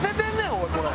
おいこれ。